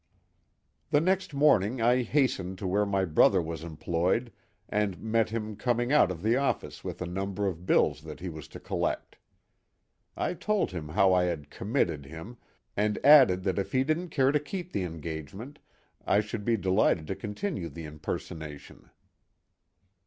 The next morning I hastened to where my brother was employed and met him coming out of the office with a number of bills that he was to collect. I told him how I had "committed" him and added that if he didn't care to keep the engagement I should be delighted to continue the impersonation.